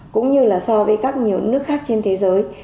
cũng như là so với các nhiều nước khác trên thế giới